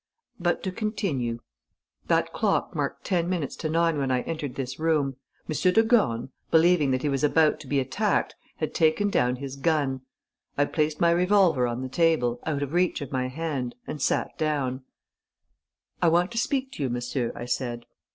But to continue. That clock marked ten minutes to nine when I entered this room. M. de Gorne, believing that he was about to be attacked, had taken down his gun. I placed my revolver on the table, out of reach of my hand, and sat down: 'I want to speak to you, monsieur,' I said.